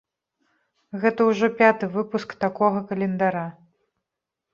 Гэта ўжо пяты выпуск такога календара.